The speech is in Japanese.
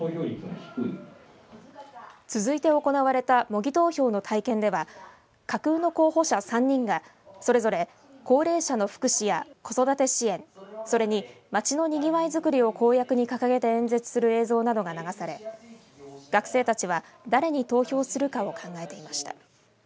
続いて行われた模擬投票の体験では架空の候補者３人がそれぞれ高齢者な福祉や子育て支援それにまちのにぎわいづくりを公約に掲げて演説する様子などが流され、学生たちは誰に投票するかを考えていました。